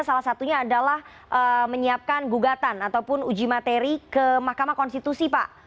salah satunya adalah menyiapkan gugatan ataupun uji materi ke mahkamah konstitusi pak